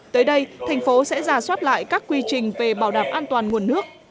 tới đây tp sẽ giả soát lại các quy trình về bảo đảm an toàn nguồn nước